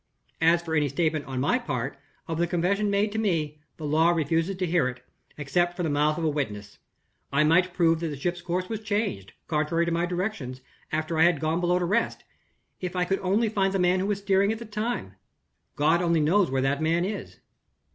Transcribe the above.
"As for any statement, on my part, of the confession made to me, the law refuses to hear it, except from the mouth of a witness. I might prove that the ship's course was changed, contrary to my directions, after I had gone below to rest, if I could find the man who was steering at the time. God only knows where that man is.